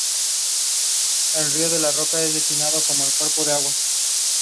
Spring and fall are the most favorable seasons to visit South Guardian Angel.